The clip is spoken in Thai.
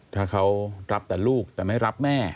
ถ้าเขารับแต่ลูกแต่ไม่รับแม่